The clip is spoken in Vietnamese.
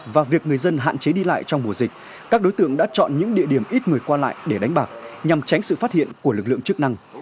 và việc người dân hạn chế đi lại trong mùa dịch các đối tượng đã chọn những địa điểm ít người qua lại để đánh bạc nhằm tránh sự phát hiện của lực lượng chức năng